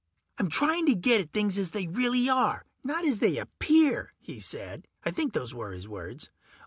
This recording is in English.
"I'm trying to get at things as they really are, not as they appear," he said. I think those were his words.